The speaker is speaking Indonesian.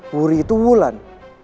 wuri itu wulan